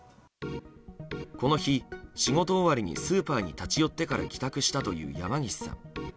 この日、仕事終わりにスーパーに立ち寄ってから帰宅したという山岸さん。